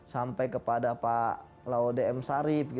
sampai kepada pak laudem sarif